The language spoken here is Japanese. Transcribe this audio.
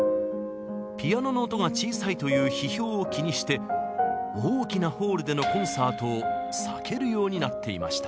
ピアノの音が小さいという批評を気にして大きなホールでのコンサートを避けるようになっていました。